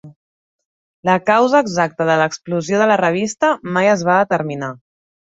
La causa exacta de l'explosió de la revista mai es va determinar.